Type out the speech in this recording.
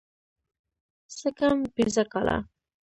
څه کم پينځه کاله.